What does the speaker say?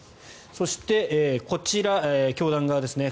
そして、こちら教団側ですね